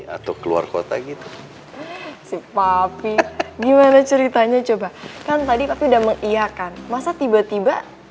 atau keluar kota gitu sih tapi gimana ceritanya coba kan tadi tapi udah mengiakan masa tiba tiba